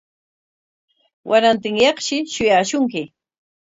Warantinyaqshi shuyaashunki.